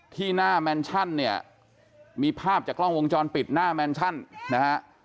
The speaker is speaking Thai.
ที่หน้าแมนชั่นเนี่ยมีภาพจากกล้องวงจรปิดหน้าแมนชั่นนะฮะ